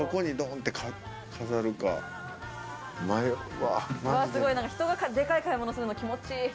う。わすごいひとがでかい買い物するの気持ちいい。